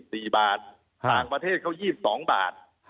ต่างประเทศเขา๒๒บาท